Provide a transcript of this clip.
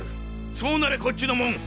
そうなりゃこっちのもん。